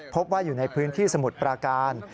พบว่าอยู่ในพื้นที่สมุทรปราการ